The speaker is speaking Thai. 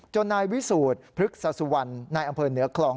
นายวิสูจน์พฤกษสุวรรณนายอำเภอเหนือคลอง